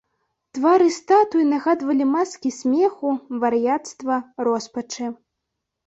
Твары статуй нагадвалі маскі смеху, вар'яцтва, роспачы.